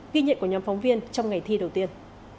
ghi nhận của nhóm phóng viên trong ngày thi đầu tiên